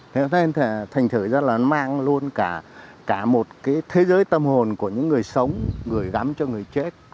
thế nên thành thử rất là mang luôn cả một cái thế giới tâm hồn của những người sống gửi gắm cho người chết